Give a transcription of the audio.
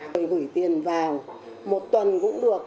tôi gửi tiền vào một tuần cũng được